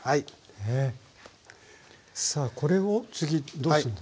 さあこれを次どうするんですか？